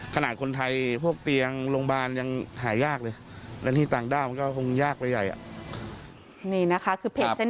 ขณะคนไทยพวกเตียงโรงพยาบาลยังหายยากเลย